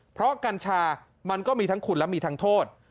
เพราะกัญชามันก็มีทั้งคุณและมีทั้งโทษ